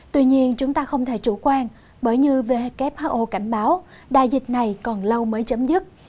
tuy nhiên chúng ta không thể chủ quan bởi như who cảnh báo đại dịch này còn lâu mới chấm dứt